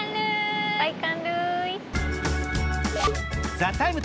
「ＴＨＥＴＩＭＥ，」